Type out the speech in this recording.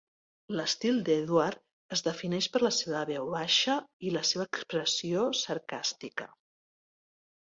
L"estil d"Edward es defineix per la seva veu baixa i la seva expressió sarcàstica.